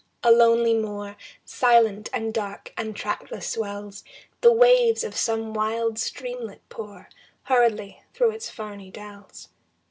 A lonely moor Silent and dark and tractless swells, The waves of some wild streamlet pour Hurriedly through its ferny dells.